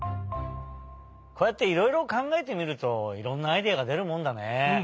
こうやっていろいろかんがえてみるといろんなアイデアがでるもんだね。